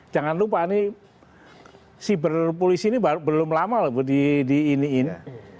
jangan lupa ini si berpolisi ini belum lama lho di ini ini